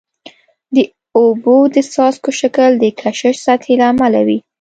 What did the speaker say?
د اوبو د څاڅکو شکل د کشش سطحي له امله وي.